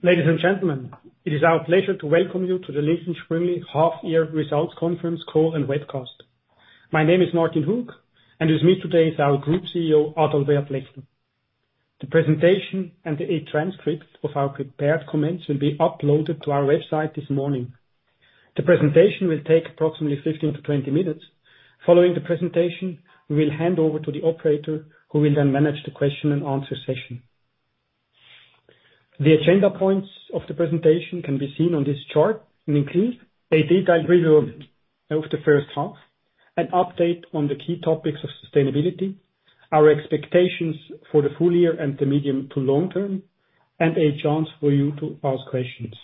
Ladies and gentlemen, it is our pleasure to welcome you to the Lindt & Sprüngli half-year results conference call and webcast. My name is Martin Hug, and with me today is our Group CEO, Adalbert Lechner. The presentation and the transcript of our prepared comments will be uploaded to our website this morning. The presentation will take approximately 15-20 minutes. Following the presentation, we will hand over to the operator, who will then manage the question-and-answer session. The agenda points of the presentation can be seen on this chart and include a detailed review of the first half, an update on the key topics of sustainability, our expectations for the full year and the medium to long term, and a chance for you to ask questions.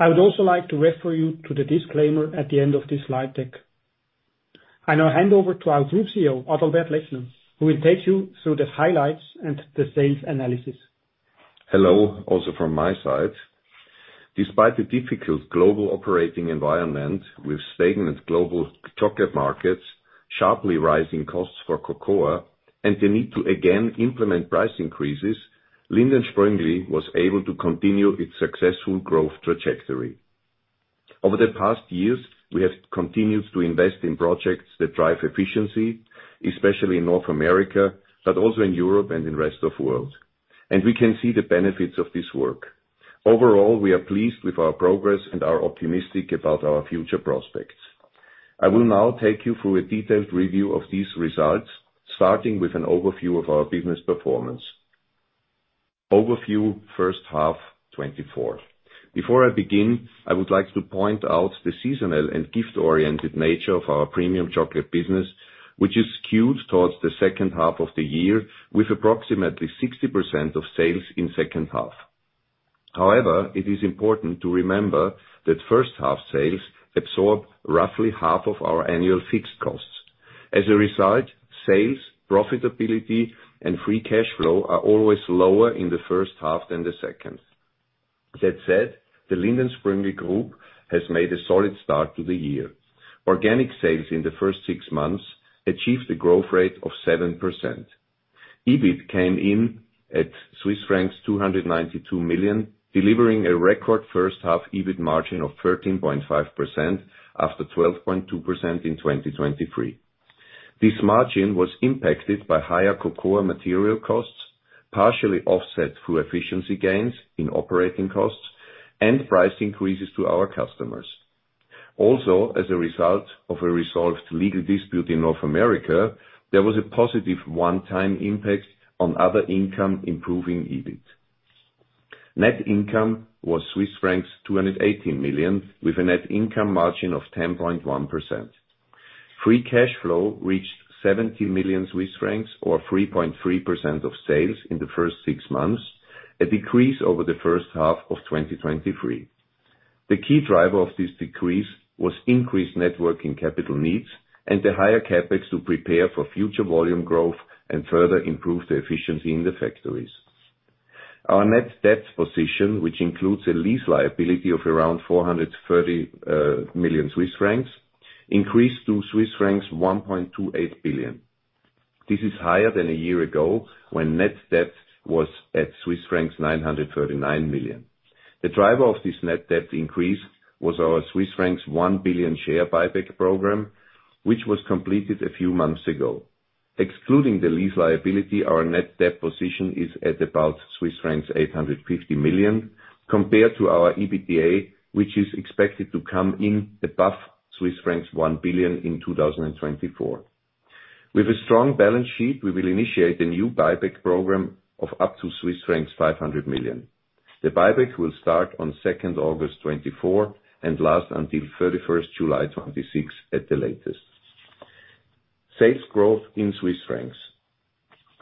I would also like to refer you to the disclaimer at the end of this slide deck. I now hand over to our Group CEO, Adalbert Lechner, who will take you through the highlights and the sales analysis. Hello, also from my side. Despite the difficult global operating environment with stagnant global chocolate markets, sharply rising costs for cocoa, and the need to again implement price increases, Lindt & Sprüngli was able to continue its successful growth trajectory. Over the past years, we have continued to invest in projects that drive efficiency, especially in North America, but also in Europe and in the rest of the world. We can see the benefits of this work. Overall, we are pleased with our progress and are optimistic about our future prospects. I will now take you through a detailed review of these results, starting with an overview of our business performance. Overview, first half, 2024. Before I begin, I would like to point out the seasonal and gift-oriented nature of our premium chocolate business, which is skewed towards the second half of the year, with approximately 60% of sales in the second half. However, it is important to remember that first-half sales absorb roughly half of our annual fixed costs. As a result, sales, profitability, and free cash flow are always lower in the first half than the second. That said, the Lindt & Sprüngli Group has made a solid start to the year. Organic sales in the first six months achieved a growth rate of 7%. EBIT came in at Swiss francs 292 million, delivering a record first-half EBIT margin of 13.5% after 12.2% in 2023. This margin was impacted by higher cocoa material costs, partially offset through efficiency gains in operating costs, and price increases to our customers. Also, as a result of a resolved legal dispute in North America, there was a positive one-time impact on other income improving EBIT. Net income was Swiss francs 218 million, with a net income margin of 10.1%. Free cash flow reached 70 million Swiss francs, or 3.3% of sales in the first six months, a decrease over the first half of 2023. The key driver of this decrease was increased net working capital needs and the higher CapEx to prepare for future volume growth and further improve the efficiency in the factories. Our net debt position, which includes a lease liability of around 430 million Swiss francs, increased to Swiss francs 1.28 billion. This is higher than a year ago when net debt was at Swiss francs 939 million. The driver of this net debt increase was our Swiss francs 1 billion share buyback program, which was completed a few months ago. Excluding the lease liability, our net debt position is at about Swiss francs 850 million, compared to our EBITDA, which is expected to come in above Swiss francs 1 billion in 2024. With a strong balance sheet, we will initiate a new buyback program of up to Swiss francs 500 million. The buyback will start on August 2, 2024 and last until July 31st 2026 at the latest. Sales growth in Swiss francs.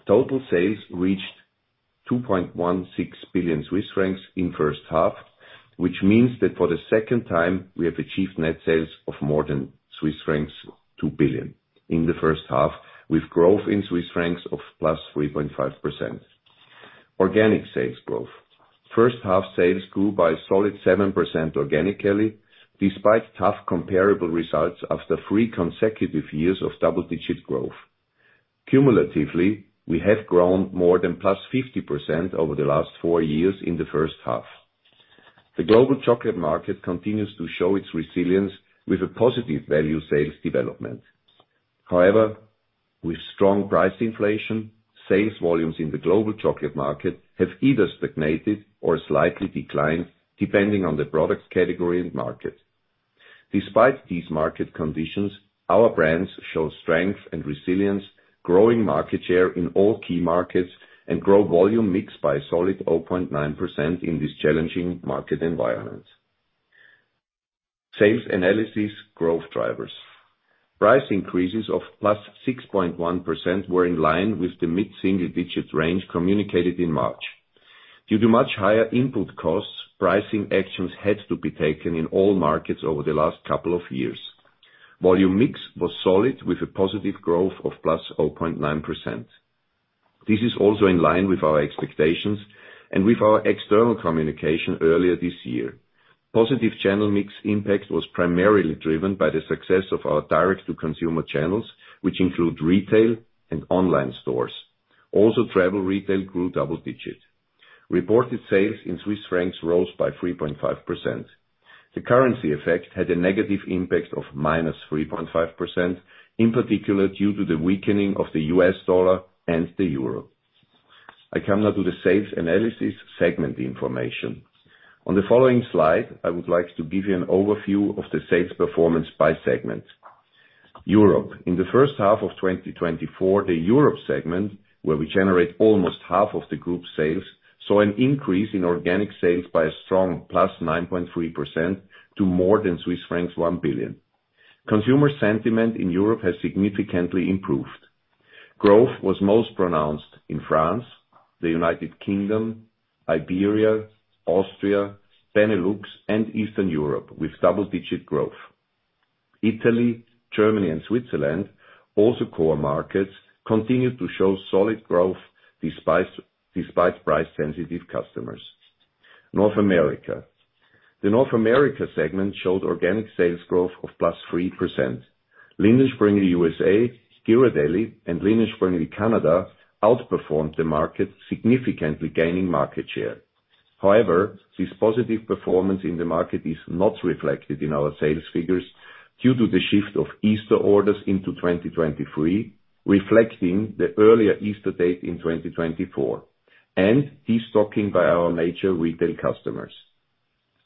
Total sales reached 2.16 billion Swiss francs in the first half, which means that for the second time, we have achieved net sales of more than Swiss francs 2 billion in the first half, with growth in Swiss francs of +3.5%. Organic sales growth. First-half sales grew by a solid 7% organically, despite tough comparable results after three consecutive years of double-digit growth. Cumulatively, we have grown more than +50% over the last four years in the first half. The global chocolate market continues to show its resilience with a positive value sales development. However, with strong price inflation, sales volumes in the global chocolate market have either stagnated or slightly declined, depending on the product category and market. Despite these market conditions, our brands show strength and resilience, growing market share in all key markets, and growth volume mix by a solid 0.9% in this challenging market environment. Sales analysis growth drivers. Price increases of +6.1% were in line with the mid-single-digit range communicated in March. Due to much higher input costs, pricing actions had to be taken in all markets over the last couple of years. Volume mix was solid with a positive growth of +0.9%. This is also in line with our expectations and with our external communication earlier this year. Positive channel mix impact was primarily driven by the success of our direct-to-consumer channels, which include retail and online stores. Also, travel retail grew double-digit. Reported sales in CHF rose by 3.5%. The currency effect had a negative impact of -3.5%, in particular due to the weakening of the U.S. dollar and the euro. I come now to the sales analysis segment information. On the following slide, I would like to give you an overview of the sales performance by segment. Europe. In the first half of 2024, the Europe segment, where we generate almost half of the group sales, saw an increase in organic sales by a strong +9.3% to more than Swiss francs 1 billion. Consumer sentiment in Europe has significantly improved. Growth was most pronounced in France, the United Kingdom, Iberia, Austria, Benelux, and Eastern Europe, with double-digit growth. Italy, Germany, and Switzerland, also core markets, continued to show solid growth despite price-sensitive customers. North America. The North America segment showed organic sales growth of +3%. Lindt & Sprüngli USA, Ghirardelli, and Lindt & Sprüngli Canada outperformed the market, significantly gaining market share. However, this positive performance in the market is not reflected in our sales figures due to the shift of Easter orders into 2023, reflecting the earlier Easter date in 2024, and destocking by our major retail customers.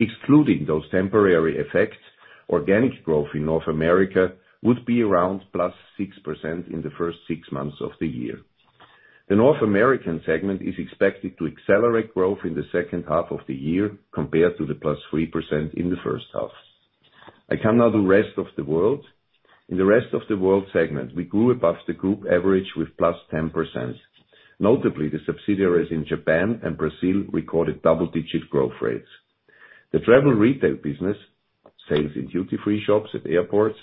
Excluding those temporary effects, organic growth in North America would be around +6% in the first six months of the year. The North American segment is expected to accelerate growth in the second half of the year compared to the +3% in the first half. I come now to the rest of the world. In the rest of the world segment, we grew above the group average with +10%. Notably, the subsidiaries in Japan and Brazil recorded double-digit growth rates. The travel retail business, sales in duty-free shops at airports,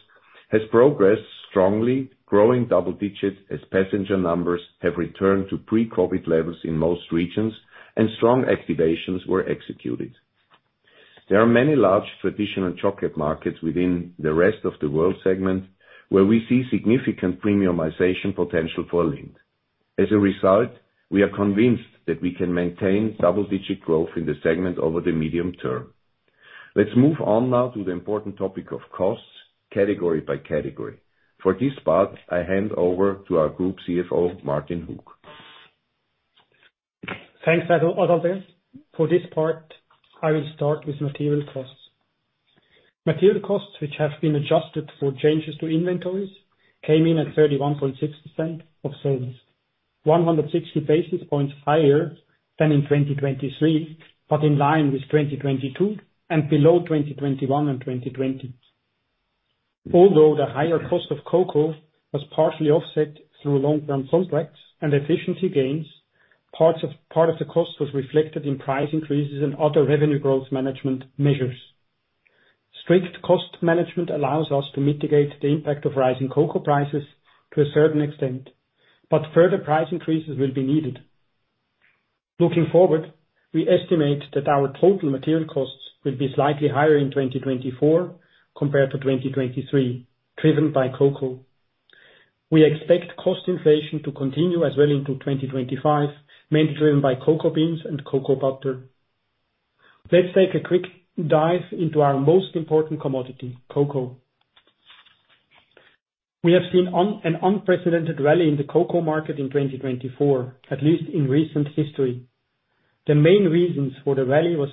has progressed strongly, growing double-digit as passenger numbers have returned to pre-COVID levels in most regions, and strong activations were executed. There are many large traditional chocolate markets within the rest of the world segment where we see significant premiumization potential for Lindt. As a result, we are convinced that we can maintain double-digit growth in the segment over the medium term. Let's move on now to the important topic of costs, category by category. For this part, I hand over to our Group CFO, Martin Hug. Thanks, Adalbert. For this part, I will start with material costs. Material costs, which have been adjusted for changes to inventories, came in at 31.6% of sales, 160 basis points higher than in 2023, but in line with 2022 and below 2021 and 2020. Although the higher cost of cocoa was partially offset through long-term contracts and efficiency gains, part of the cost was reflected in price increases and other revenue growth management measures. Strict cost management allows us to mitigate the impact of rising cocoa prices to a certain extent, but further price increases will be needed. Looking forward, we estimate that our total material costs will be slightly higher in 2024 compared to 2023, driven by cocoa. We expect cost inflation to continue as well into 2025, mainly driven by cocoa beans and cocoa butter. Let's take a quick dive into our most important commodity, cocoa. We have seen an unprecedented rally in the cocoa market in 2024, at least in recent history. The main reasons for the rally were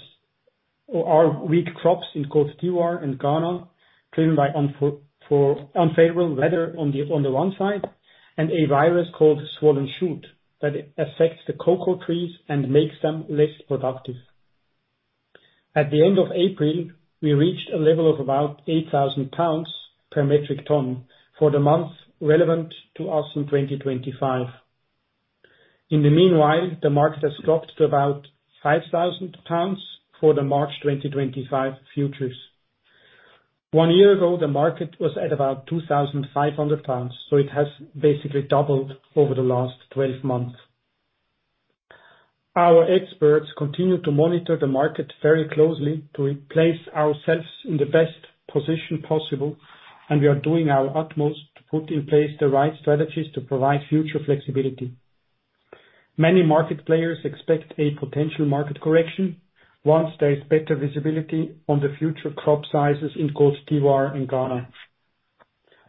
our weak crops in Côte d’Ivoire and Ghana, driven by unfavorable weather on the one side and a virus called swollen shoot that affects the cocoa trees and makes them less productive. At the end of April, we reached a level of about $8,000 per metric ton for the month relevant to us in 2025. In the meanwhile, the market has dropped to about $5,000 for the March 2025 futures. One year ago, the market was at about $2,500, so it has basically doubled over the last 12 months. Our experts continue to monitor the market very closely to place ourselves in the best position possible, and we are doing our utmost to put in place the right strategies to provide future flexibility. Many market players expect a potential market correction once there is better visibility on the future crop sizes in Côte d’Ivoire and Ghana.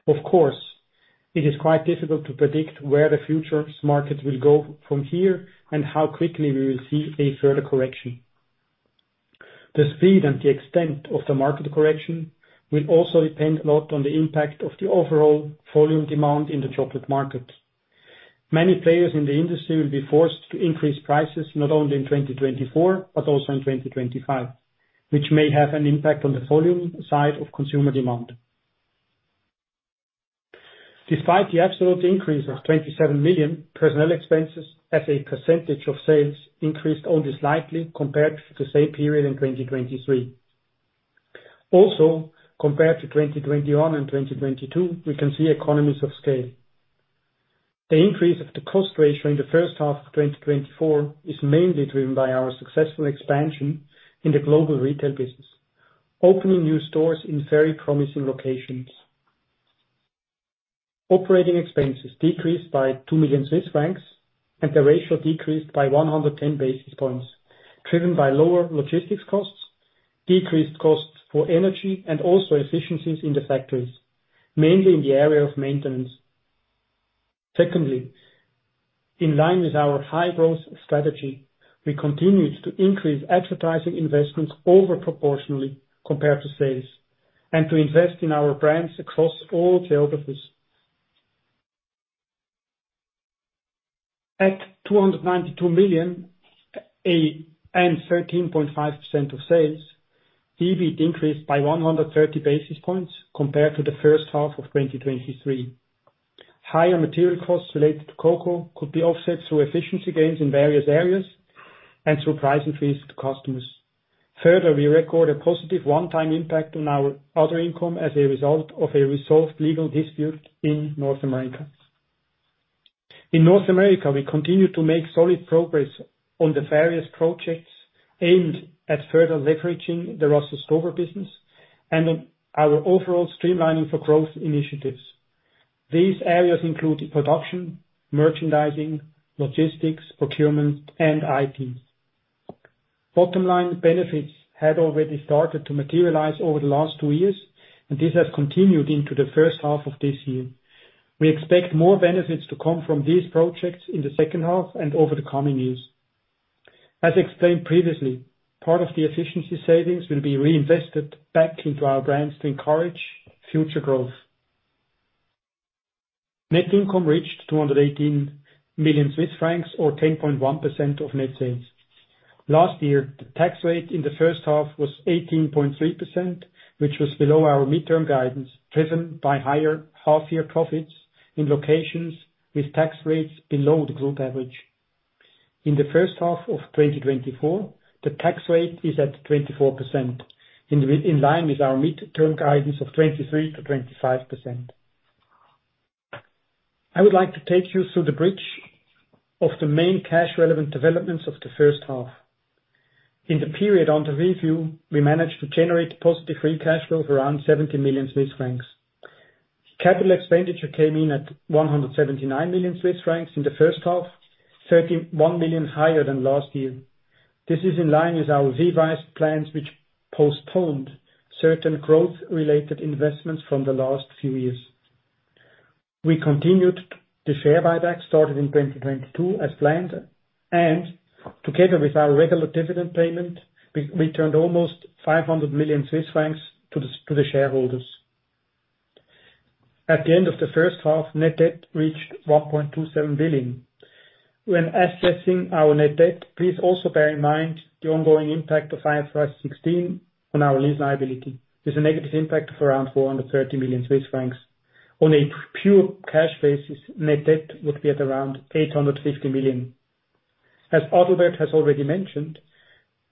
Of course, it is quite difficult to predict where the futures market will go from here and how quickly we will see a further correction. The speed and the extent of the market correction will also depend a lot on the impact of the overall volume demand in the chocolate market. Many players in the industry will be forced to increase prices not only in 2024, but also in 2025, which may have an impact on the volume side of consumer demand. Despite the absolute increase of 27 million personnel expenses, as a percentage of sales increased only slightly compared to the same period in 2023. Also, compared to 2021 and 2022, we can see economies of scale. The increase of the cost ratio in the first half of 2024 is mainly driven by our successful expansion in the global retail business, opening new stores in very promising locations. Operating expenses decreased by 2 million Swiss francs, and the ratio decreased by 110 basis points, driven by lower logistics costs, decreased costs for energy, and also efficiencies in the factories, mainly in the area of maintenance. Secondly, in line with our high-growth strategy, we continued to increase advertising investments overproportionally compared to sales and to invest in our brands across all geographies. At CHF 292 million and 13.5% of sales, EBIT increased by 130 basis points compared to the first half of 2023. Higher material costs related to cocoa could be offset through efficiency gains in various areas and through price increases to customers. Further, we record a positive one-time impact on our other income as a result of a resolved legal dispute in North America. In North America, we continue to make solid progress on the various projects aimed at further leveraging the Russell Stover business and our overall streamlining for growth initiatives. These areas include production, merchandising, logistics, procurement, and IT. Bottom-line benefits had already started to materialize over the last two years, and this has continued into the first half of this year. We expect more benefits to come from these projects in the second half and over the coming years. As explained previously, part of the efficiency savings will be reinvested back into our brands to encourage future growth. Net income reached 218 million Swiss francs, or 10.1% of net sales. Last year, the tax rate in the first half was 18.3%, which was below our midterm guidance, driven by higher half-year profits in locations with tax rates below the group average. In the first half of 2024, the tax rate is at 24%, in line with our midterm guidance of 23%-25%. I would like to take you through the bridge of the main cash-relevant developments of the first half. In the period under review, we managed to generate positive free cash flows of around 70 million Swiss francs. Capital expenditure came in at 179 million Swiss francs in the first half, 31 million higher than last year. This is in line with our revised plans, which postponed certain growth-related investments from the last few years. We continued the share buyback started in 2022 as planned, and to cater with our regular dividend payment, we turned almost 500 million Swiss francs to the shareholders. At the end of the first half, net debt reached 1.27 billion. When assessing our net debt, please also bear in mind the ongoing impact of IFRS 16 on our lease liability. There's a negative impact of around 430 million Swiss francs. On a pure cash basis, net debt would be at around 850 million. As Adalbert has already mentioned,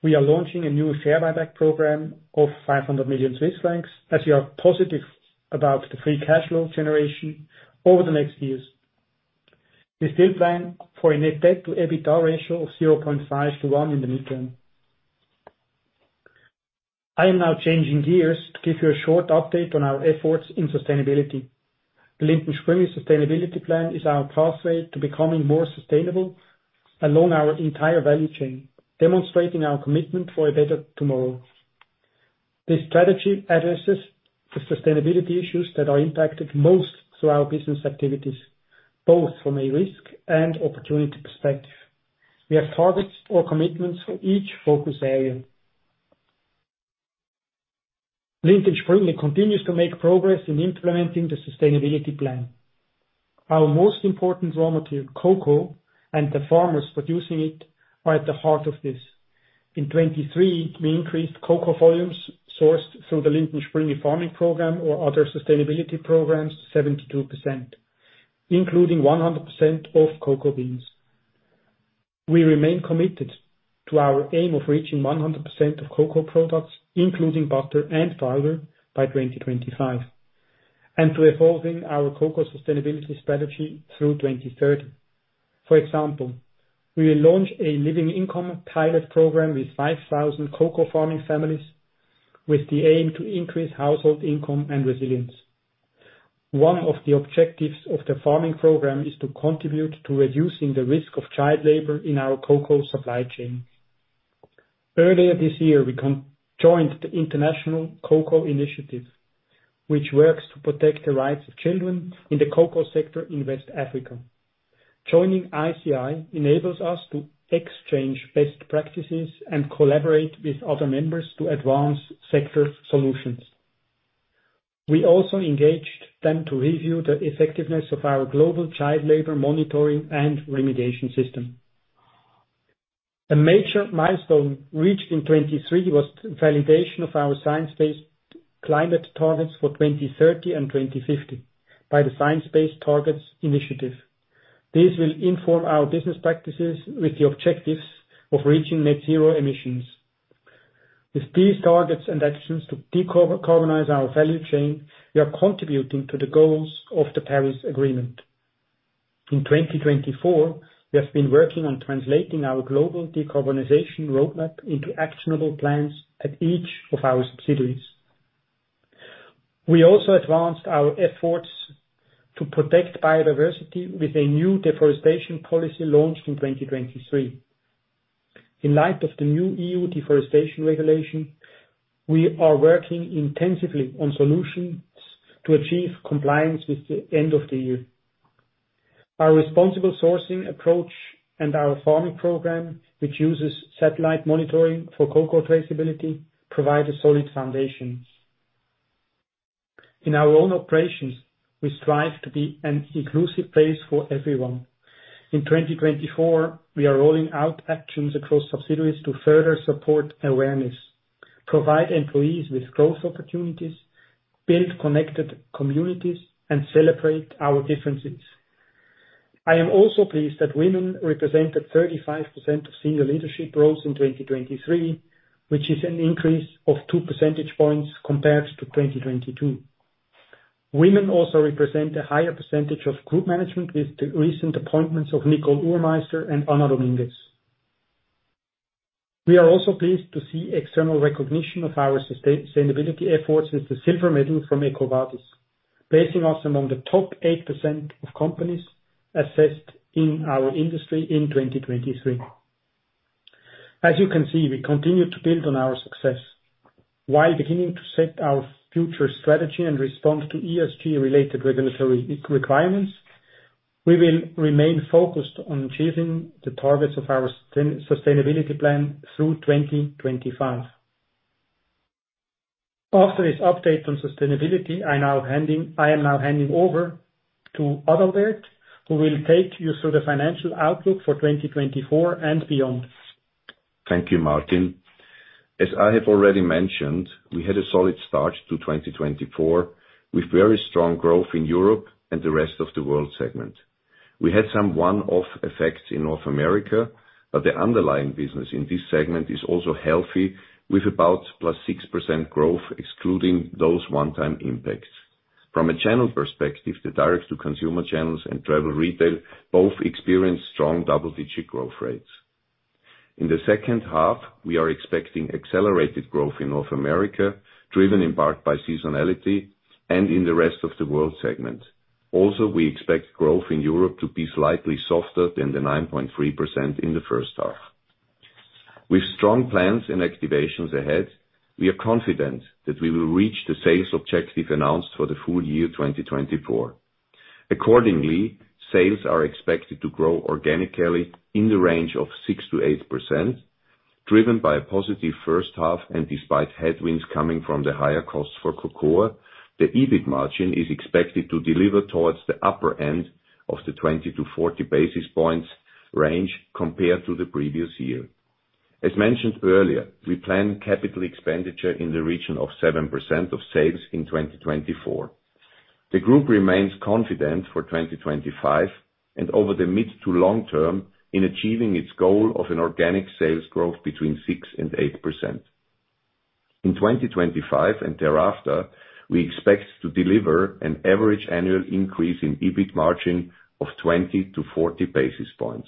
we are launching a new share buyback program of 500 million Swiss francs as we are positive about the free cash flow generation over the next years. We still plan for a net debt to EBITDA ratio of 0.5 to 1 in the midterm. I am now changing gears to give you a short update on our efforts in sustainability. The Lindt & Sprüngli Sustainability Plan is our pathway to becoming more sustainable along our entire value chain, demonstrating our commitment for a better tomorrow. This strategy addresses the sustainability issues that are impacted most through our business activities, both from a risk and opportunity perspective. We have targets or commitments for each focus area. Lindt & Sprüngli continues to make progress in implementing the sustainability plan. Our most important raw material, cocoa, and the farmers producing it are at the heart of this. In 2023, we increased cocoa volumes sourced through the Lindt & Sprüngli farming program or other sustainability programs to 72%, including 100% of cocoa beans. We remain committed to our aim of reaching 100% of cocoa products, including butter and fiber, by 2025, and to evolving our cocoa sustainability strategy through 2030. For example, we will launch a living income pilot program with 5,000 cocoa farming families with the aim to increase household income and resilience. One of the objectives of the farming program is to contribute to reducing the risk of child labor in our cocoa supply chain. Earlier this year, we joined the International Cocoa Initiative, which works to protect the rights of children in the cocoa sector in West Africa. Joining ICI enables us to exchange best practices and collaborate with other members to advance sector solutions. We also engaged them to review the effectiveness of our global child labor monitoring and remediation system. A major milestone reached in 2023 was the validation of our science-based climate targets for 2030 and 2050 by the Science Based Targets initiative. This will inform our business practices with the objectives of reaching net zero emissions. With these targets and actions to decarbonize our value chain, we are contributing to the goals of the Paris Agreement. In 2024, we have been working on translating our global decarbonization roadmap into actionable plans at each of our subsidiaries. We also advanced our efforts to protect biodiversity with a new deforestation policy launched in 2023. In light of the new EU Deforestation Regulation, we are working intensively on solutions to achieve compliance with the end of the year. Our responsible sourcing approach and our farming program, which uses satellite monitoring for cocoa traceability, provide a solid foundation. In our own operations, we strive to be an inclusive place for everyone. In 2024, we are rolling out actions across subsidiaries to further support awareness, provide employees with growth opportunities, build connected communities, and celebrate our differences. I am also pleased that women represented 35% of senior leadership roles in 2023, which is an increase of 2 percentage points compared to 2022. Women also represent a higher percentage of group management with the recent appointments of Nicole Urmeister and Ana Dominguez. We are also pleased to see external recognition of our sustainability efforts with the silver medal from EcoVadis, placing us among the top 8% of companies assessed in our industry in 2023. As you can see, we continue to build on our success. While beginning to set our future strategy and respond to ESG-related regulatory requirements, we will remain focused on achieving the targets of our sustainability plan through 2025. After this update on sustainability, I am now handing over to Adalbert, who will take you through the financial outlook for 2024 and beyond. Thank you, Martin. As I have already mentioned, we had a solid start to 2024 with very strong growth in Europe and the rest of the world segment. We had some one-off effects in North America, but the underlying business in this segment is also healthy with about +6% growth, excluding those one-time impacts. From a channel perspective, the direct-to-consumer channels and travel retail both experienced strong double-digit growth rates. In the second half, we are expecting accelerated growth in North America, driven in part by seasonality and in the rest of the world segment. Also, we expect growth in Europe to be slightly softer than the 9.3% in the first half. With strong plans and activations ahead, we are confident that we will reach the sales objective announced for the full year 2024. Accordingly, sales are expected to grow organically in the range of 6%-8%, driven by a positive first half, and despite headwinds coming from the higher costs for cocoa, the EBIT margin is expected to deliver towards the upper end of the 20 to 40 basis points range compared to the previous year. As mentioned earlier, we plan capital expenditure in the region of 7% of sales in 2024. The group remains confident for 2025 and over the mid to long term in achieving its goal of an organic sales growth between 6%-8%. In 2025 and thereafter, we expect to deliver an average annual increase in EBIT margin of 20 to 40 basis points.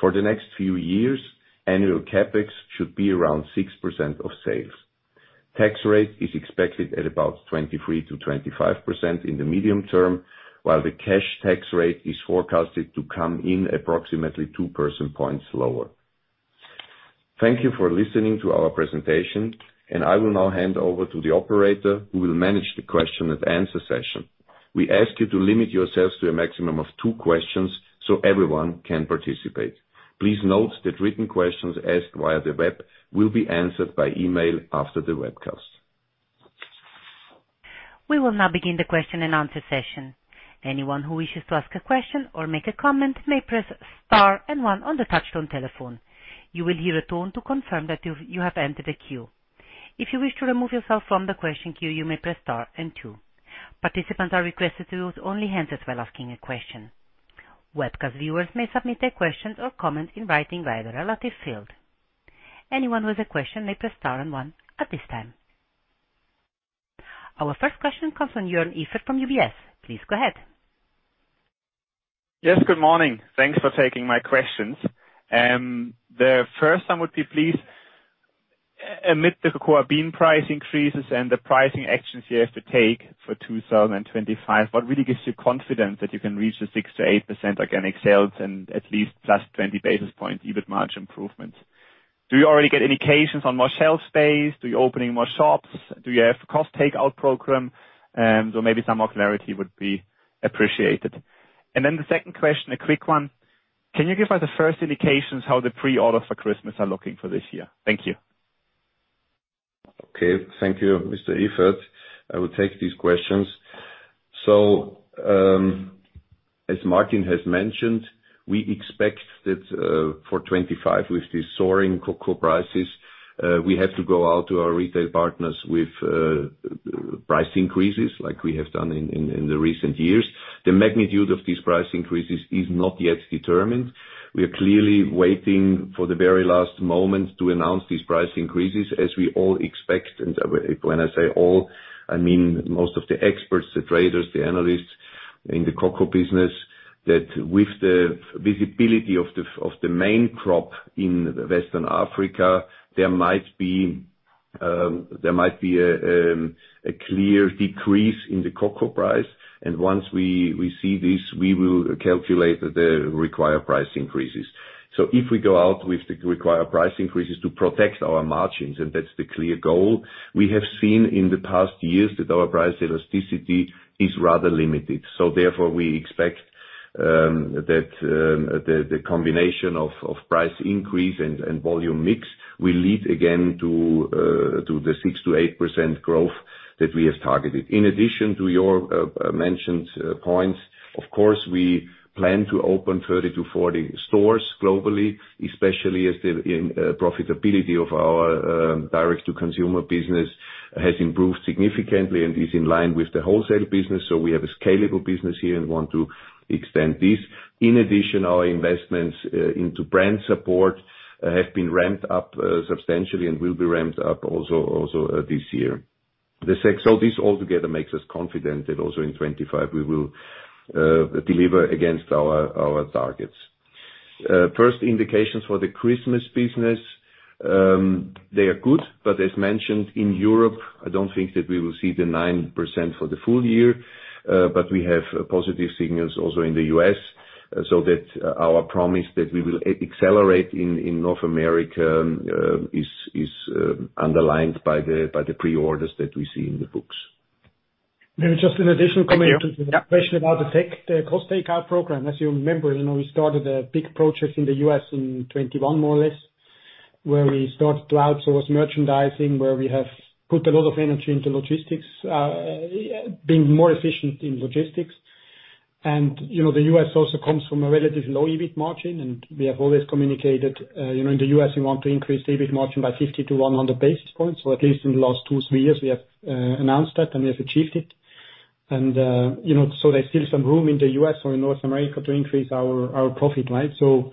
For the next few years, annual CapEx should be around 6% of sales. Tax rate is expected at about 23%-25% in the medium term, while the cash tax rate is forecasted to come in approximately 2 percentage points lower. Thank you for listening to our presentation, and I will now hand over to the operator who will manage the question and answer session. We ask you to limit yourselves to a maximum of two questions so everyone can participate. Please note that written questions asked via the web will be answered by email after the webcast. We will now begin the question and answer session. Anyone who wishes to ask a question or make a comment may press star and one on the touch-tone telephone. You will hear a tone to confirm that you have entered a queue. If you wish to remove yourself from the question queue, you may press star and two. Participants are requested to use only hands while asking a question. Webcast viewers may submit their questions or comments in writing via the relative field. Anyone with a question may press Star and 1 at this time. Our first question comes from Jørn Iffert from UBS. Please go ahead. Yes, good morning. Thanks for taking my questions. The first one would be please amid the cocoa bean price increases and the pricing actions you have to take for 2025. What really gives you confidence that you can reach the 6%-8% organic sales and at least +20 basis points EBIT margin improvements? Do you already get indications on more shelf space? Do you open more shops? Do you have a cost takeout program? So maybe some more clarity would be appreciated. And then the second question, a quick one. Can you give us the first indications how the pre-orders for Christmas are looking for this year? Thank you. Okay, thank you, Mr. Iffert. I will take these questions. So, as Martin has mentioned, we expect that for 2025, with these soaring cocoa prices, we have to go out to our retail partners with price increases like we have done in the recent years. The magnitude of these price increases is not yet determined. We are clearly waiting for the very last moment to announce these price increases, as we all expect. And when I say all, I mean most of the experts, the traders, the analysts in the cocoa business, that with the visibility of the main crop in West Africa, there might be a clear decrease in the cocoa price. And once we see this, we will calculate the required price increases. If we go out with the required price increases to protect our margins, and that's the clear goal, we have seen in the past years that our price elasticity is rather limited. Therefore, we expect that the combination of price increase and volume mix will lead again to the 6%-8% growth that we have targeted. In addition to your mentioned points, of course, we plan to open 30-40 stores globally, especially as the profitability of our direct-to-consumer business has improved significantly and is in line with the wholesale business. We have a scalable business here and want to extend this. In addition, our investments into brand support have been ramped up substantially and will be ramped up also this year. This altogether makes us confident that also in 2025, we will deliver against our targets. First indications for the Christmas business, they are good, but as mentioned in Europe, I don't think that we will see the 9% for the full year, but we have positive signals also in the U.S., so that our promise that we will accelerate in North America is underlined by the pre-orders that we see in the books. Maybe just an additional comment to the question about the cost takeout program. As you remember, we started a big project in the U.S. in 2021, more or less, where we started to outsource merchandising, where we have put a lot of energy into logistics, being more efficient in logistics. The U.S. also comes from a relatively low EBIT margin, and we have always communicated in the U.S., we want to increase the EBIT margin by 50-100 basis points. So, at least in the last two or three years, we have announced that, and we have achieved it. And so, there's still some room in the U.S. or in North America to increase our profit, right? So,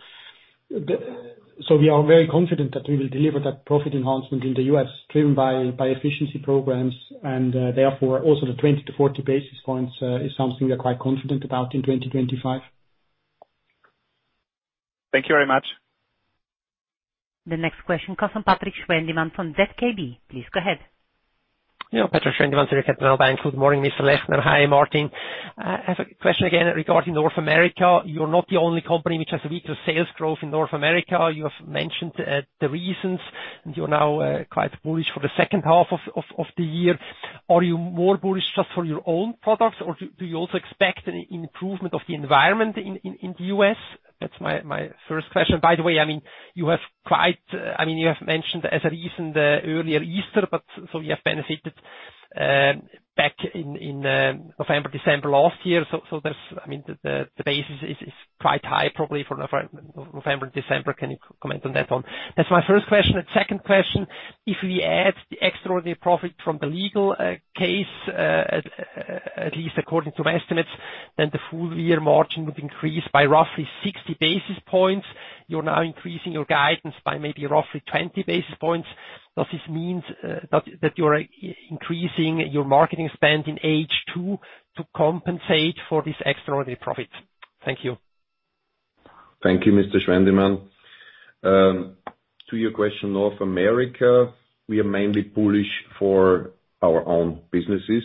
we are very confident that we will deliver that profit enhancement in the U.S., driven by efficiency programs, and therefore, also the 20-40 basis points is something we are quite confident about in 2025. Thank you very much. The next question from Patrik Schwendimann from ZKB. Please go ahead. Yeah, Patrick Schwendimann, ZKB. Good morning, Mr. Lechner. Hi, Martin. I have a question again regarding North America. You're not the only company which has weaker sales growth in North America. You have mentioned the reasons, and you're now quite bullish for the second half of the year. Are you more bullish just for your own products, or do you also expect an improvement of the environment in the U.S.? That's my first question. By the way, I mean, you have quite—I mean, you have mentioned as a reason earlier Easter, but so you have benefited back in November, December last year. So, I mean, the basis is quite high probably for November and December. Can you comment on that one? That's my first question. And second question, if we add the extraordinary profit from the legal case, at least according to estimates, then the full-year margin would increase by roughly 60 basis points. You're now increasing your guidance by maybe roughly 20 basis points. Does this mean that you're increasing your marketing spend in H2 to compensate for this extraordinary profit? Thank you. Thank you, Mr. Schwendimann. To your question, North America, we are mainly bullish for our own businesses.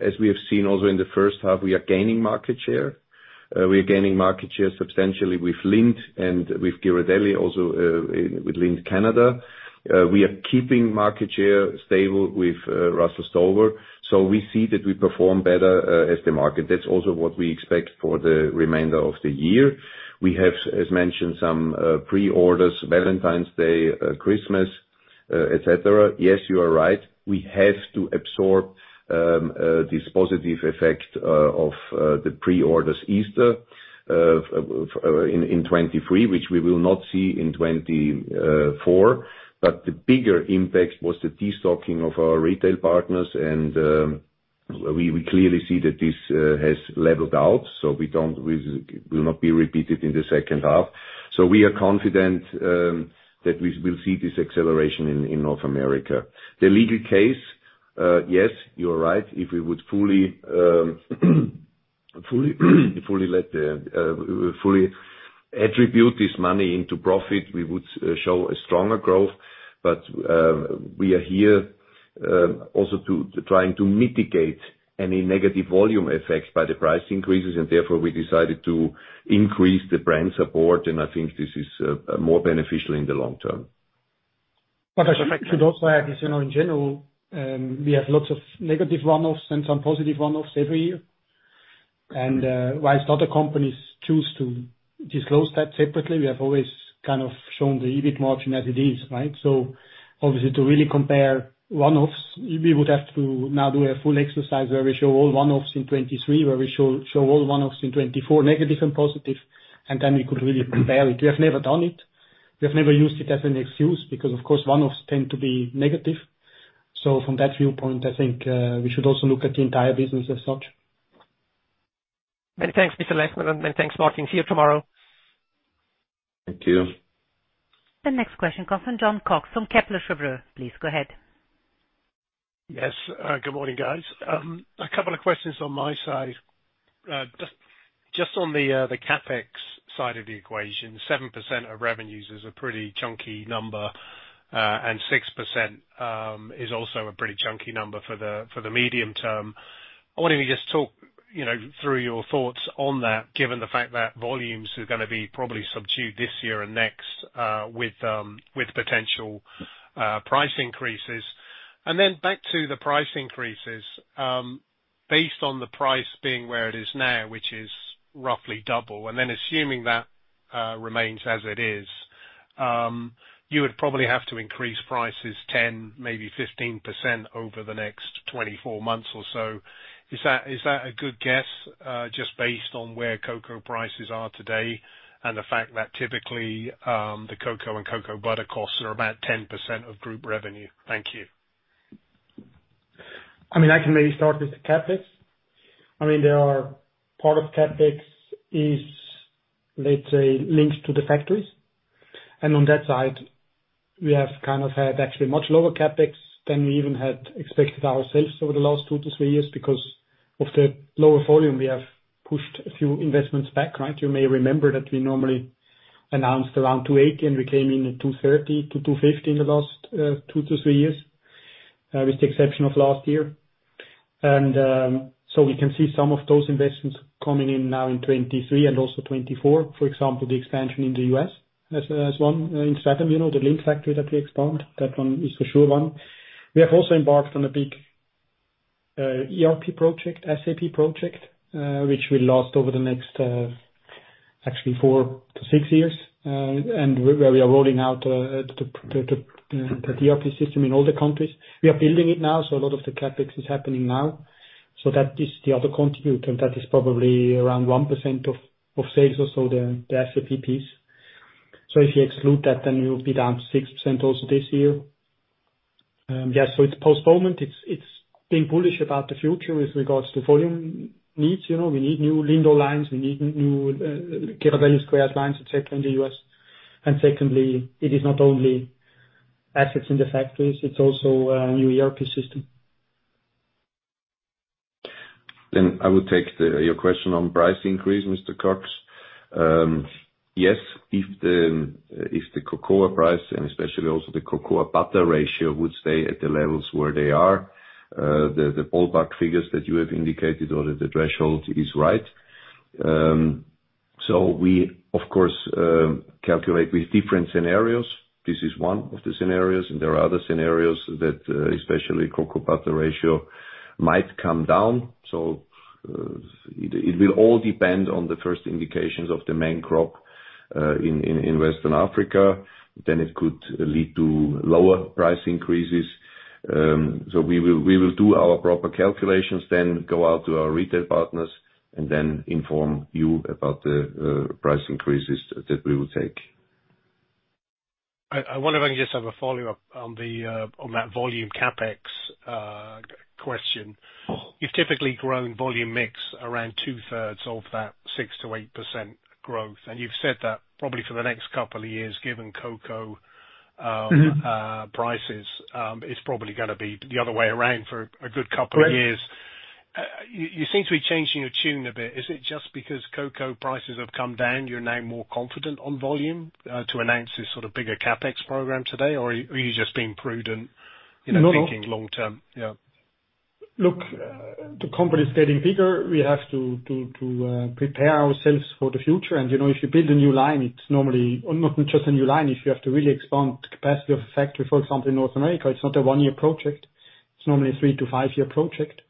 As we have seen also in the first half, we are gaining market share. We are gaining market share substantially with Lindt and with Ghirardelli, also with Lindt Canada. We are keeping market share stable with Russell Stover. So, we see that we perform better as the market. That's also what we expect for the remainder of the year. We have, as mentioned, some pre-orders, Valentine's Day, Christmas, etc. Yes, you are right. We have to absorb this positive effect of the pre-orders Easter in 2023, which we will not see in 2024. But the bigger impact was the destocking of our retail partners, and we clearly see that this has leveled out, so we will not be repeated in the second half. So, we are confident that we will see this acceleration in North America. The legal case, yes, you are right. If we would fully attribute this money into profit, we would show a stronger growth. But we are here also trying to mitigate any negative volume effects by the price increases, and therefore, we decided to increase the brand support, and I think this is more beneficial in the long term. Patrick, I should also add, in general, we have lots of negative run-offs and some positive run-offs every year. And while other companies choose to disclose that separately, we have always kind of shown the EBIT margin as it is, right? So, obviously, to really compare run-offs, we would have to now do a full exercise where we show all run-offs in 2023, where we show all run-offs in 2024, negative and positive, and then we could really compare it. We have never done it. We have never used it as an excuse because, of course, run-offs tend to be negative. So, from that viewpoint, I think we should also look at the entire business as such. Thanks, Mr. Lechner, and thanks, Martin. See you tomorrow. Thank you. The next question, Jon Cox from Kepler Cheuvreux, please go ahead. Yes, good morning, guys. A couple of questions on my side. Just on the CapEx side of the equation, 7% of revenues is a pretty chunky number, and 6% is also a pretty chunky number for the medium term. I wanted to just talk through your thoughts on that, given the fact that volumes are going to be probably subdued this year and next with potential price increases. And then back to the price increases, based on the price being where it is now, which is roughly double, and then assuming that remains as it is, you would probably have to increase prices 10%, maybe 15% over the next 24 months or so. Is that a good guess just based on where cocoa prices are today and the fact that typically the cocoa and cocoa butter costs are about 10% of group revenue? Thank you. I mean, I can maybe start with the CapEx. I mean, part of CapEx is, let's say, linked to the factories. And on that side, we have kind of had actually much lower CapEx than we even had expected ourselves over the last 2-3 years because of the lower volume. We have pushed a few investments back, right? You may remember that we normally announced around 280, and we came in at 230-250 in the last 2-3 years, with the exception of last year. And so, we can see some of those investments coming in now in 2023 and also 2024. For example, the expansion in the U.S. as one. In Stratham, the Lindt factory that we expanded, that one is for sure one. We have also embarked on a big ERP project, SAP project, which we last over the next actually 4-6 years, and where we are rolling out the ERP system in all the countries. We are building it now, so a lot of the CapEx is happening now. So that is the other contributor, and that is probably around 1% of sales or so, the SAP piece. So if you exclude that, then we will be down to 6% also this year. Yeah, so it's postponement. It's being bullish about the future with regards to volume needs. We need new Lindt O lines. We need new Ghirardelli Squares lines, etc., in the U.S. And secondly, it is not only assets in the factories. It's also a new ERP system. Then I would take your question on price increase, Mr. Koch. Yes, if the cocoa price, and especially also the cocoa butter ratio, would stay at the levels where they are, the ballpark figures that you have indicated or the threshold is right. So, we, of course, calculate with different scenarios. This is one of the scenarios, and there are other scenarios that especially cocoa butter ratio might come down. So, it will all depend on the first indications of the main crop in West Africa. Then it could lead to lower price increases. So, we will do our proper calculations, then go out to our retail partners, and then inform you about the price increases that we will take. I wonder if I can just have a follow-up on that volume CapEx question. You've typically grown volume mix around two-thirds of that 6%-8% growth, and you've said that probably for the next couple of years, given cocoa prices, it's probably going to be the other way around for a good couple of years. You seem to be changing your tune a bit. Is it just because cocoa prices have come down, you're now more confident on volume to announce this sort of bigger CapEx program today, or are you just being prudent, thinking long-term? Yeah. Look, the company is getting bigger. We have to prepare ourselves for the future. And if you build a new line, it's normally not just a new line. If you have to really expand the capacity of a factory, for example, in North America, it's not a 1-year project. It's normally a 3- to 5-year project.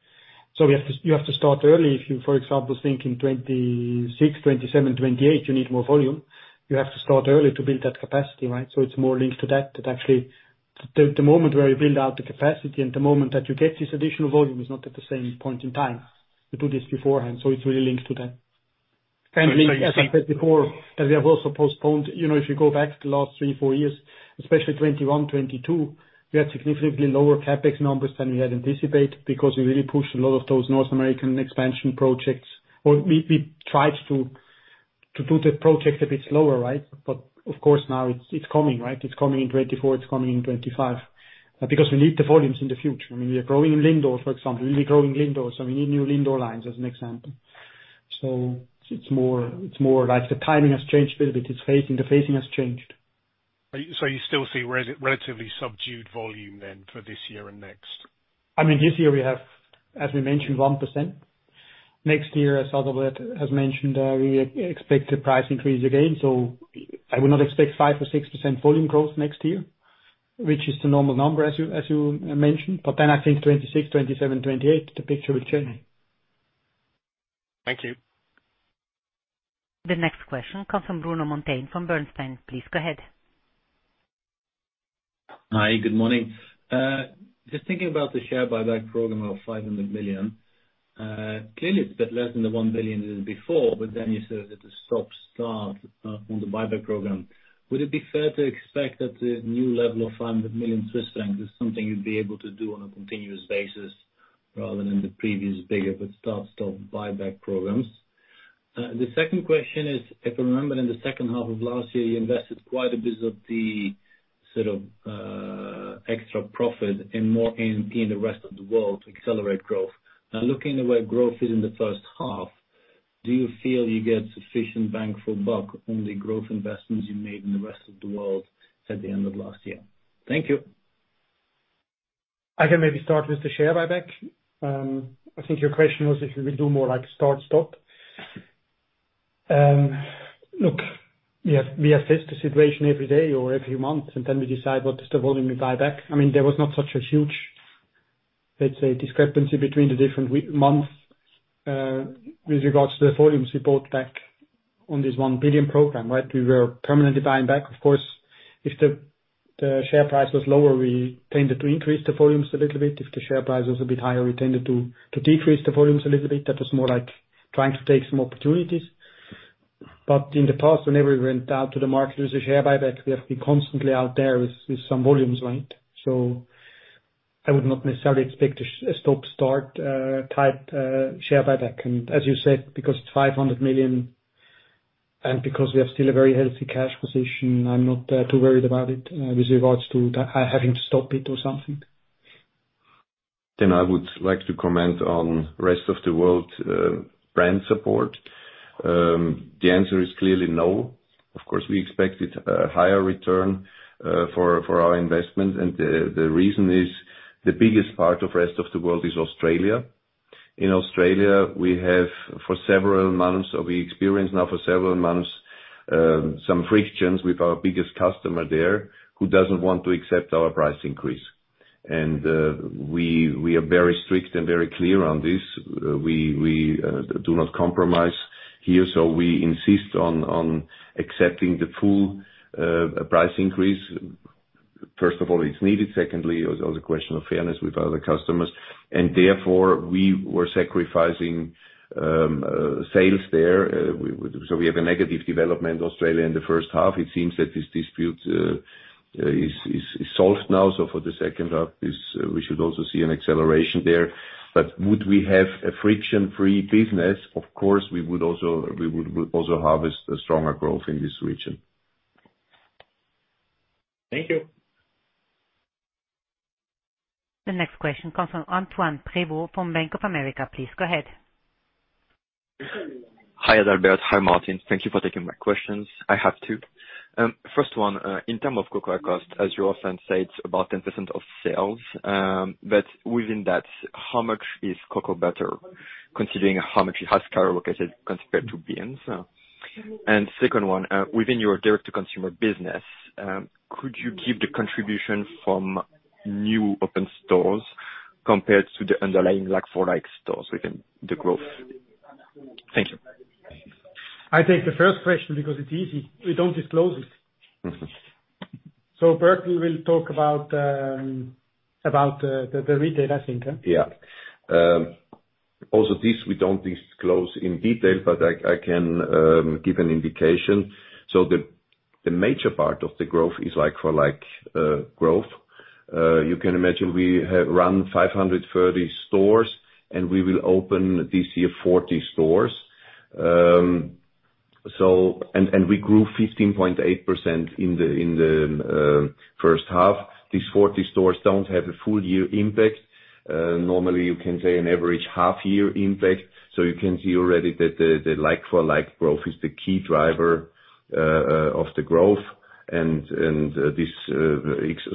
So, you have to start early. If you, for example, think in 2026, 2027, 2028, you need more volume. You have to start early to build that capacity, right? So, it's more linked to that, that actually the moment where you build out the capacity and the moment that you get this additional volume is not at the same point in time. You do this beforehand. So, it's really linked to that. And as I said before, that we have also postponed. If you go back to the last 3, 4 years, especially 2021, 2022, we had significantly lower CapEx numbers than we had anticipated because we really pushed a lot of those North American expansion projects. We tried to do the project a bit slower, right? But of course, now it's coming, right? It's coming in 2024. It's coming in 2025 because we need the volumes in the future. I mean, we are growing in Lindt, for example. We'll be growing Lindt, so we need new Lindt O lines as an example. So, it's more like the timing has changed a little bit. The phasing has changed. So, you still see relatively subdued volume then for this year and next? I mean, this year we have, as we mentioned, 1%. Next year, as Adalbert has mentioned, we expect the price increase again. So, I would not expect 5% or 6% volume growth next year, which is the normal number, as you mentioned. But then I think 2026, 2027, 2028, the picture will change. Thank you. The next question, Bruno Monteyn from Bernstein. Please go ahead. Hi, good morning. Just thinking about the share buyback program of 500 million, clearly it's a bit less than the 1 billion it was before, but then you said it was a stop-start on the buyback program. Would it be fair to expect that the new level of 500 million Swiss francs is something you'd be able to do on a continuous basis rather than the previous bigger but start-stop buyback programs? The second question is, if I remember, in the second half of last year, you invested quite a bit of the sort of extra profit and more A&P in the rest of the world to accelerate growth. Now, looking at the way growth is in the first half, do you feel you get sufficient bang for buck on the growth investments you made in the rest of the world at the end of last year? Thank you. I can maybe start with the share buyback. I think your question was if we do more like start-stop. Look, we assess the situation every day or every month, and then we decide what is the volume we buy back. I mean, there was not such a huge, let's say, discrepancy between the different months with regards to the volumes we bought back on this 1 billion program, right? We were permanently buying back. Of course, if the share price was lower, we tended to increase the volumes a little bit. If the share price was a bit higher, we tended to decrease the volumes a little bit. That was more like trying to take some opportunities. But in the past, whenever we went out to the market with a share buyback, we have been constantly out there with some volumes, right? So, I would not necessarily expect a stop-start type share buyback. And as you said, because it's 500 million and because we have still a very healthy cash position, I'm not too worried about it with regards to having to stop it or something. Then I would like to comment on rest of the world brand support. The answer is clearly no. Of course, we expected a higher return for our investment, and the reason is the biggest part of rest of the world is Australia. In Australia, we have for several months, or we experience now for several months, some frictions with our biggest customer there who doesn't want to accept our price increase. We are very strict and very clear on this. We do not compromise here, so we insist on accepting the full price increase. First of all, it's needed. Secondly, it's also a question of fairness with other customers. Therefore, we were sacrificing sales there. We have a negative development, Australia, in the first half. It seems that this dispute is solved now. For the second half, we should also see an acceleration there. But would we have a friction-free business? Of course, we would also harvest stronger growth in this region. Thank you. The next question from Antoine Prévost from Bank of America. Please go ahead. Hi, Adalbert. Hi, Martin. Thank you for taking my questions. I have two. First one, in terms of cocoa cost, as you often say, it's about 10% of sales. But within that, how much is cocoa butter, considering how much it has cost allocated compared to beans? And second one, within your direct-to-consumer business, could you give the contribution from new open stores compared to the underlying like-for-like stores within the growth? Thank you. I take the first question because it's easy. We don't disclose it. So, Bert will talk about the retail, I think. Yeah. Also, this we don't disclose in detail, but I can give an indication. So, the major part of the growth is like-for-like growth. You can imagine we run 530 stores, and we will open this year 40 stores. We grew 15.8% in the first half. These 40 stores don't have a full-year impact. Normally, you can say an average half-year impact. You can see already that the like-for-like growth is the key driver of the growth, and these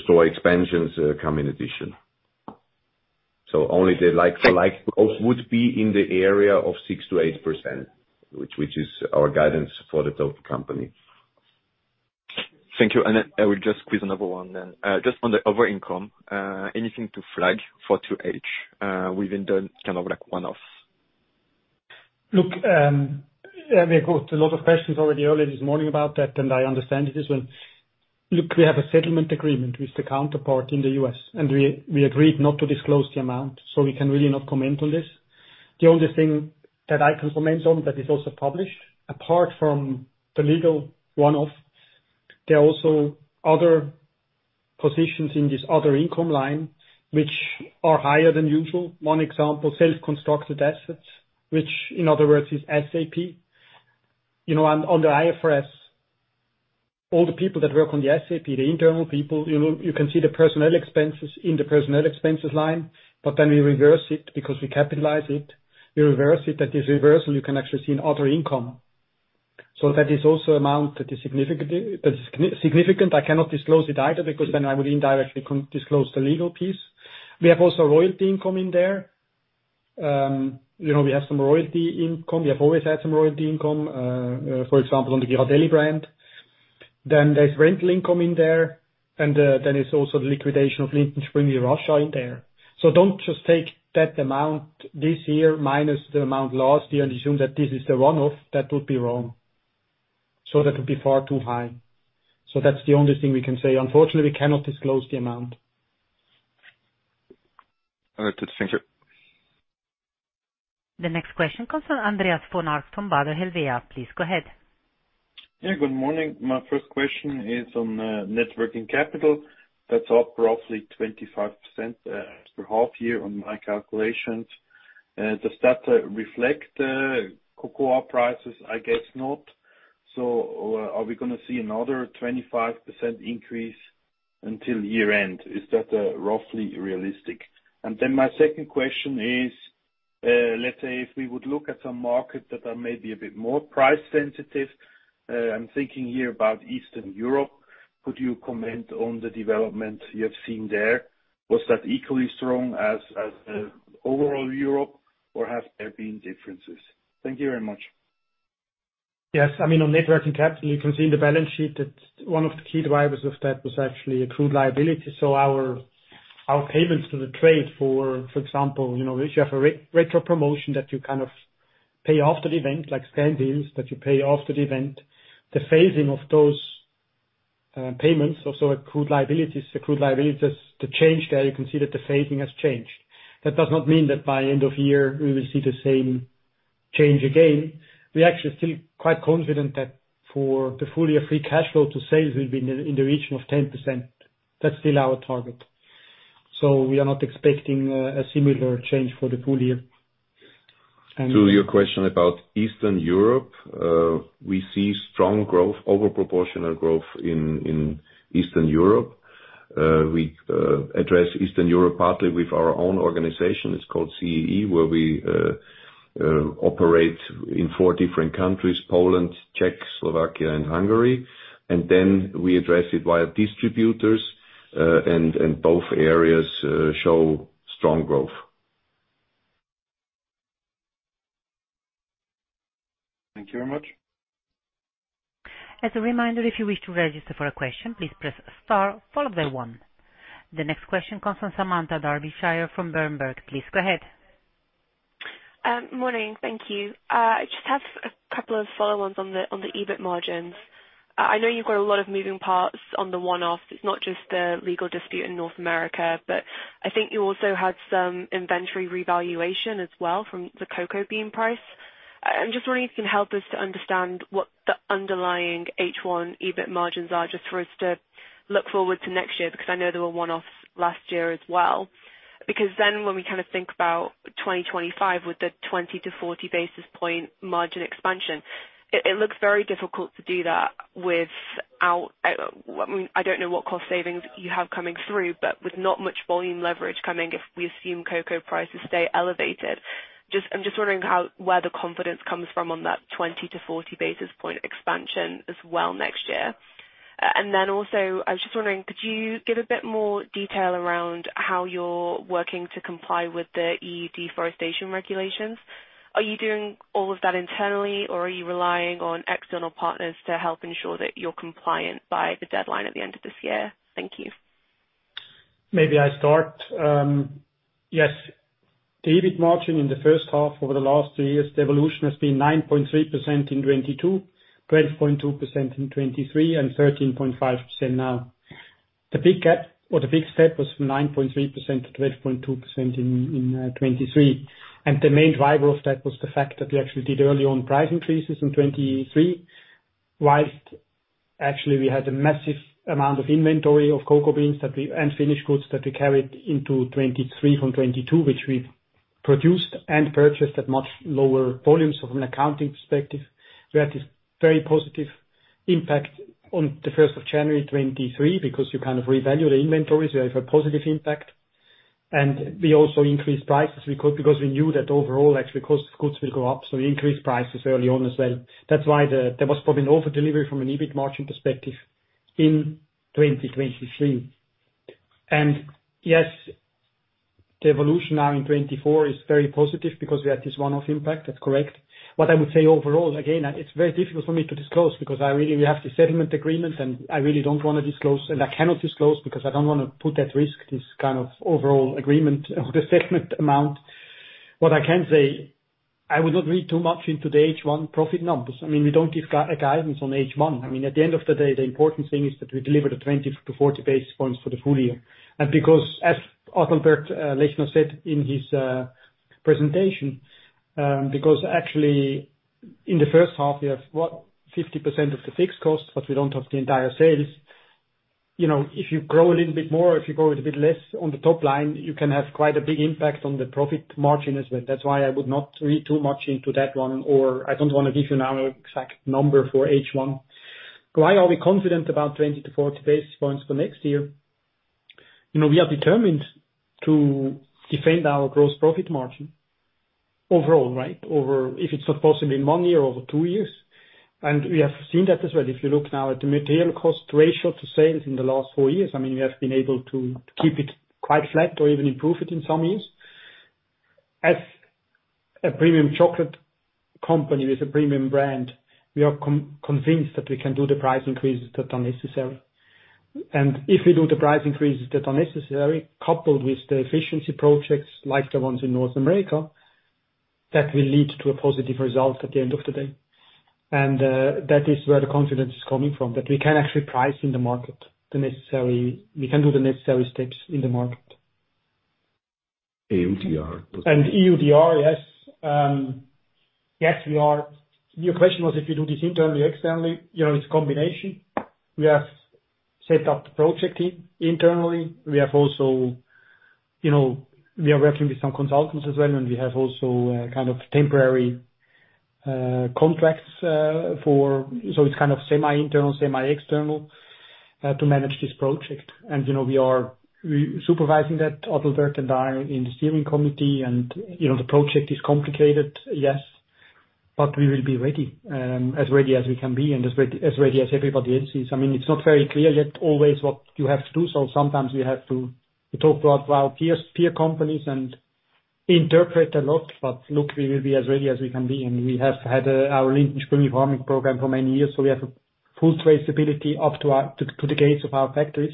store expansions come in addition. Only the like-for-like growth would be in the area of 6%-8%, which is our guidance for the total company. Thank you. I will just quiz another one then. Just on the other income, anything to flag for 2H within the kind of like one-offs? Look, we got a lot of questions already early this morning about that, and I understand it as well. Look, we have a settlement agreement with the counterpart in the U.S., and we agreed not to disclose the amount, so we can really not comment on this. The only thing that I can comment on that is also published, apart from the legal one-off, there are also other positions in this other income line which are higher than usual. One example, self-constructed assets, which in other words is SAP. On the IFRS, all the people that work on the SAP, the internal people, you can see the personnel expenses in the personnel expenses line, but then we reverse it because we capitalize it. We reverse it, and this reversal you can actually see in other income. So, that is also an amount that is significant. I cannot disclose it either because then I would indirectly disclose the legal piece. We have also royalty income in there. We have some royalty income. We have always had some royalty income, for example, on the Ghirardelli brand. Then there's rental income in there, and then it's also the liquidation of Lindt & Sprüngli Russia in there. So, don't just take that amount this year minus the amount last year, and assume that this is the one-off. That would be wrong. So, that would be far too high. So, that's the only thing we can say. Unfortunately, we cannot disclose the amount. All right. Thank you. The next question from Andreas von Arx from Baader Helvea. Please go ahead. Yeah, good morning. My first question is on net working capital. That's up roughly 25% after half-year on my calculations. Does that reflect cocoa prices? I guess not. So, are we going to see another 25% increase until year-end? Is that roughly realistic? Then my second question is, let's say if we would look at some markets that are maybe a bit more price-sensitive, I'm thinking here about Eastern Europe, could you comment on the development you have seen there? Was that equally strong as overall Europe, or have there been differences? Thank you very much. Yes. I mean, on net working capital, you can see in the balance sheet that one of the key drivers of that was actually accrued liability. So, our payments to the trade for, for example, if you have a retro promotion that you kind of pay after the event, like scandals, that you pay after the event, the phasing of those payments, also accrued liabilities, accrued liabilities, the change there, you can see that the phasing has changed. That does not mean that by end of year we will see the same change again. We're actually still quite confident that for the full-year free cash flow to sales will be in the region of 10%. That's still our target. So, we are not expecting a similar change for the full year. To your question about Eastern Europe, we see strong growth, overproportional growth in Eastern Europe. We address Eastern Europe partly with our own organization. It's called CEE, where we operate in four different countries: Poland, Czech, Slovakia, and Hungary. And then we address it via distributors, and both areas show strong growth. Thank you very much. As a reminder, if you wish to register for a question, please press star followed by one. The next question comes from Samantha Darbyshire from Berenberg. Please go ahead. Morning. Thank you. I just have a couple of follow-ons on the EBIT margins. I know you've got a lot of moving parts on the one-off. It's not just the legal dispute in North America, but I think you also had some inventory revaluation as well from the cocoa bean price. I'm just wondering if you can help us to understand what the underlying H1 EBIT margins are just for us to look forward to next year because I know there were one-offs last year as well. Because then when we kind of think about 2025 with the 20-40 basis point margin expansion, it looks very difficult to do that without, I mean, I don't know what cost savings you have coming through, but with not much volume leverage coming if we assume cocoa prices stay elevated. I'm just wondering where the confidence comes from on that 20-40 basis point expansion as well next year. And then also, I was just wondering, could you give a bit more detail around how you're working to comply with the EU deforestation regulations? Are you doing all of that internally, or are you relying on external partners to help ensure that you're compliant by the deadline at the end of this year? Thank you. Maybe I start. Yes. The EBIT margin in the first half over the last three years, the evolution has been 9.3% in 2022, 12.2% in 2023, and 13.5% now. The big gap or the big step was from 9.3% to 12.2% in 2023. The main driver of that was the fact that we actually did early-on price increases in 2023, while actually we had a massive amount of inventory of cocoa beans and finished goods that we carried into 2023 from 2022, which we produced and purchased at much lower volumes from an accounting perspective. We had this very positive impact on the 1st of January 2023 because you kind of revalued the inventories. We had a positive impact. And we also increased prices because we knew that overall, actually, cost of goods will go up. So, we increased prices early on as well. That's why there was probably an overdelivery from an EBIT margin perspective in 2023. And yes, the evolution now in 2024 is very positive because we had this one-off impact. That's correct. What I would say overall, again, it's very difficult for me to disclose because I really have the settlement agreement, and I really don't want to disclose, and I cannot disclose because I don't want to put at risk this kind of overall agreement or the settlement amount. What I can say, I would not read too much into the H1 profit numbers. I mean, we don't give guidance on H1. I mean, at the end of the day, the important thing is that we deliver the 20-40 basis points for the full year. And because, as Adalbert Lechner said in his presentation, because actually in the first half, we have, what, 50% of the fixed cost, but we don't have the entire sales. If you grow a little bit more, if you grow a little bit less on the top line, you can have quite a big impact on the profit margin as well. That's why I would not read too much into that one, or I don't want to give you now an exact number for H1. Why are we confident about 20-40 basis points for next year? We are determined to defend our gross profit margin overall, right, if it's not possible in one year or two years. We have seen that as well. If you look now at the material cost ratio to sales in the last four years, I mean, we have been able to keep it quite flat or even improve it in some years. As a premium chocolate company with a premium brand, we are convinced that we can do the price increases that are necessary. If we do the price increases that are necessary, coupled with the efficiency projects like the ones in North America, that will lead to a positive result at the end of the day. That is where the confidence is coming from, that we can actually price in the market the necessary; we can do the necessary steps in the market. EUDR. EUDR, yes. Yes, we are. Your question was if we do this internally, externally. It's a combination. We have set up the project internally. We have also, we are working with some consultants as well, and we have also kind of temporary contracts, so it's kind of semi-internal, semi-external to manage this project. We are supervising that, Adalbert and I, in the steering committee. The project is complicated, yes, but we will be ready, as ready as we can be and as ready as everybody else is. I mean, it's not very clear yet always what you have to do. So, sometimes we have to talk to our peer companies and interpret a lot. But look, we will be as ready as we can be. We have had our Lindt & Sprüngli farming program for many years. So, we have a full traceability up to the gates of our factories,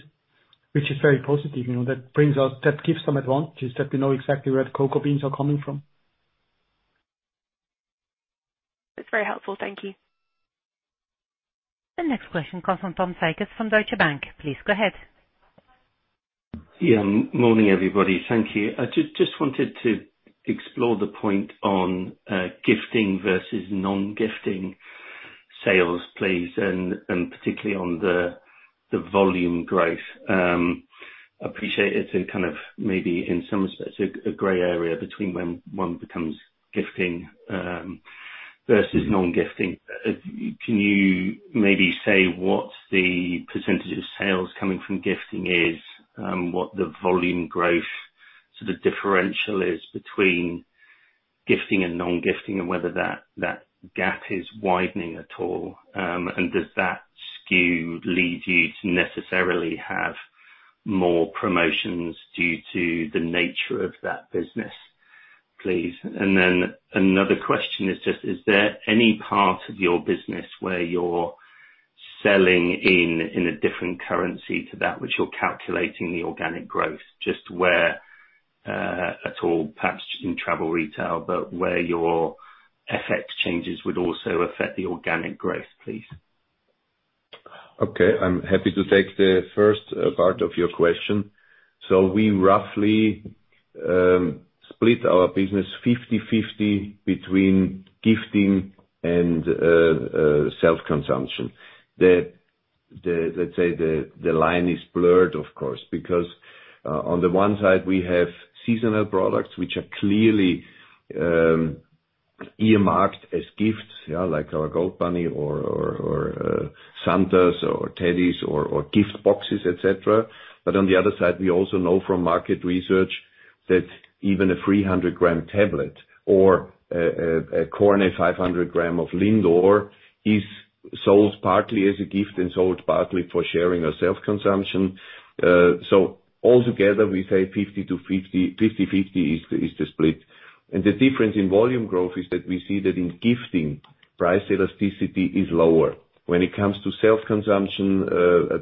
which is very positive. That gives some advantages that we know exactly where the cocoa beans are coming from. That's very helpful. Thank you. The next question, Tom Sykes from Deutsche Bank. Please go ahead. Yeah. Morning, everybody. Thank you. I just wanted to explore the point on gifting versus non-gifting sales, please, and particularly on the volume growth. I appreciate it's a kind of maybe in some respects a gray area between when one becomes gifting versus non-gifting. Can you maybe say what the percentage of sales coming from gifting is, what the volume growth, so the differential is between gifting and non-gifting, and whether that gap is widening at all? And does that skew lead you to necessarily have more promotions due to the nature of that business, please? And then another question is just, is there any part of your business where you're selling in a different currency to that which you're calculating the organic growth? Just where at all, perhaps in travel retail, but where your effect changes would also affect the organic growth, please? Okay. I'm happy to take the first part of your question. We roughly split our business 50/50 between gifting and self-consumption. Let's say the line is blurred, of course, because on the one side, we have seasonal products which are clearly earmarked as gifts, like our Gold Bunny or Santas or teddies or gift boxes, etc. But on the other side, we also know from market research that even a 300-gram tablet or a 100-gram or 500-gram of Lindor is sold partly as a gift and sold partly for sharing or self-consumption. Altogether, we say 50/50 is the split. The difference in volume growth is that we see that in gifting, price elasticity is lower. When it comes to self-consumption,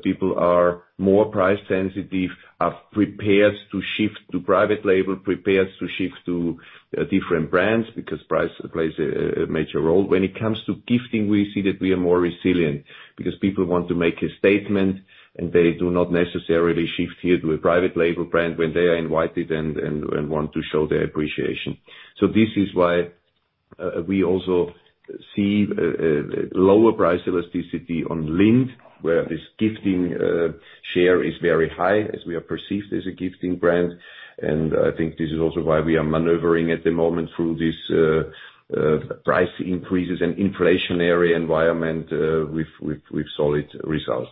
people are more price-sensitive, are prepared to shift to private label, prepared to shift to different brands because price plays a major role. When it comes to gifting, we see that we are more resilient because people want to make a statement, and they do not necessarily shift here to a private label brand when they are invited and want to show their appreciation. So, this is why we also see lower price elasticity on Lindt, where this gifting share is very high, as we are perceived as a gifting brand. And I think this is also why we are maneuvering at the moment through these price increases and inflationary environment with solid results.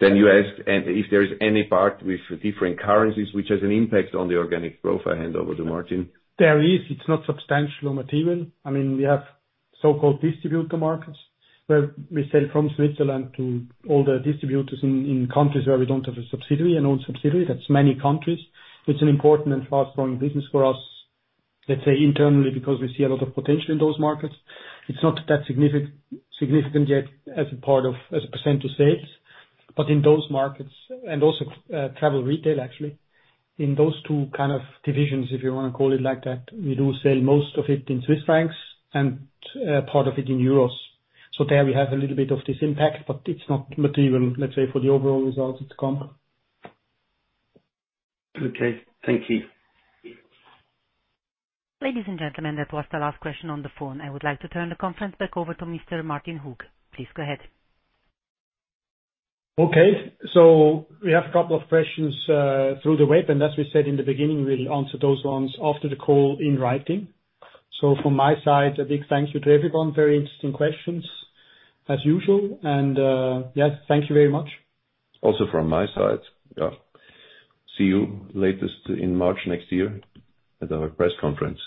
Then you asked if there is any part with different currencies which has an impact on the organic growth. I hand over to Martin. There is. It's not substantial or material. I mean, we have so-called distributor markets where we sell from Switzerland to all the distributors in countries where we don't have a subsidiary and own subsidiary. That's many countries. It's an important and fast-growing business for us, let's say, internally, because we see a lot of potential in those markets. It's not that significant yet as a percent of sales. But in those markets, and also travel retail, actually, in those two kind of divisions, if you want to call it like that, we do sell most of it in Swiss francs and part of it in euros. So, there we have a little bit of this impact, but it's not material, let's say, for the overall results to come. Okay. Thank you. Ladies and gentlemen, that was the last question on the phone. I would like to turn the conference back over to Mr. Martin Hug. Please go ahead. Okay. So, we have a couple of questions through the web. And as we said in the beginning, we'll answer those ones after the call in writing. So, from my side, a big thank you to everyone. Very interesting questions, as usual. And yes, thank you very much. Also from my side, yeah. See you latest in March next year at our press conference.